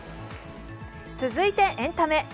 続いてエンタメ。